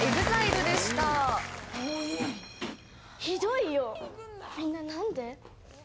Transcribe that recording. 「ひどいよみんな何で？」